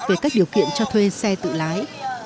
về các điều kiện cho thuê xe tự lái